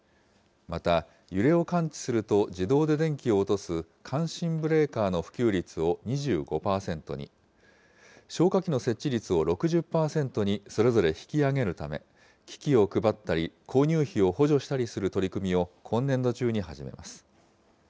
また、揺れを感知すると自動で電気を落とす感震ブレーカーの普及率を２５％に、消火器の設置率を６０％にそれぞれ引き上げるため、機器を配ったり、購入費を補助したりする取り組みを今年度中に始めます。